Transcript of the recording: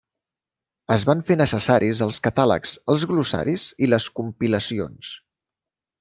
Es van fer necessaris els catàlegs, els glossaris i les compilacions.